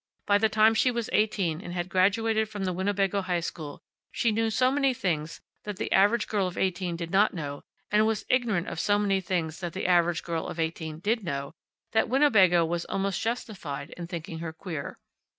By the time she was eighteen and had graduated from the Winnebago high school, she knew so many things that the average girl of eighteen did not know, and was ignorant of so many things that the average girl of eighteen did know, that Winnebago was almost justified in thinking her queer.